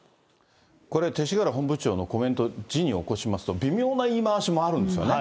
これ、勅使河原本部長のコメント、字に起こしますと、微妙な言い回しもあるんですよね。